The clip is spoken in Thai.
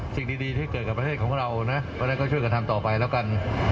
สิ่งดีที่เกิดกับประเทศของเรานะเพราะฉะนั้นก็ช่วยกันทำต่อไปแล้วกัน